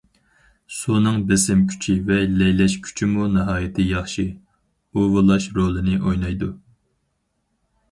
سۇنىڭ بېسىم كۈچى ۋە لەيلەش كۈچىمۇ ناھايىتى ياخشى ئۇۋىلاش رولىنى ئوينايدۇ.